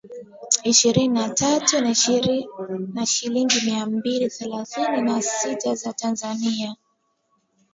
Ishirini na tatu na shilingi mia mbili themanini na tisa za Tanzania.